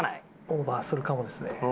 オーバーするかもですね。